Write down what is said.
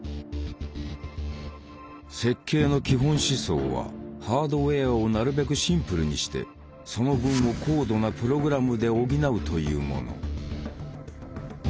設計の基本思想はハードウェアをなるべくシンプルにしてその分を高度なプログラムで補うというもの。